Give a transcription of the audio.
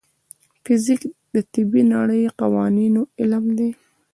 فزیک د طبیعي نړۍ د قوانینو علم دی.